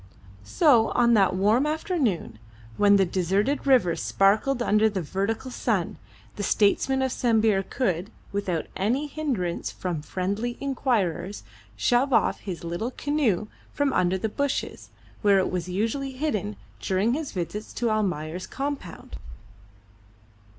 So on that warm afternoon, when the deserted river sparkled under the vertical sun, the statesman of Sambir could, without any hindrance from friendly inquirers, shove off his little canoe from under the bushes, where it was usually hidden during his visits to Almayer's compound.